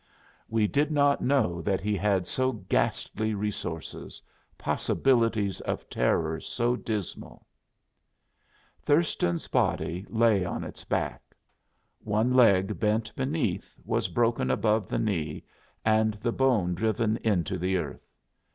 We did not know that he had so ghastly resources, possibilities of terror so dismal. Thurston's body lay on its back. One leg, bent beneath, was broken above the knee and the bone driven into the earth.